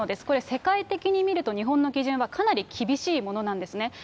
これ、世界的に見ると、日本の基準はかなり厳しいものなんですね。